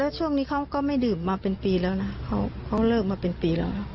ช่วงนี้เขาก็ไม่ดื่มมาเป็นปีแล้วนะเขาเลิกมาเป็นปีแล้วนะ